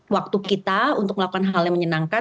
waktu kita untuk melakukan hal yang menyenangkan